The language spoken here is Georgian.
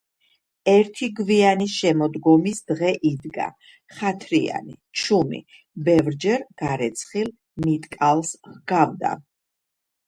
ერთი გვინი შემოდგომის დღე იდგა, ხათრიანი, ჩუმი, ბევრჯერ გარეცხილ მიტკალს ჰგავდა.